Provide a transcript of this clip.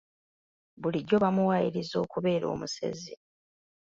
Bulijjo bamuwaayiriza okubeera omusezi.